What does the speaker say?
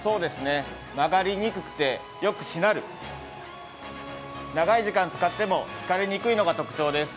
曲がりにくくてよくしなる、長い時間使っても疲れにくいのが特徴です。